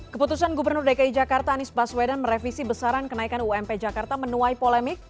keputusan gubernur dki jakarta anies baswedan merevisi besaran kenaikan ump jakarta menuai polemik